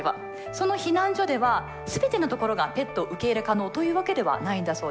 その避難所では全てのところがペット受け入れ可能というわけではないんだそうです。